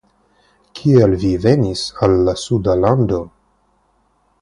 Kial vi venis al la Suda Lando?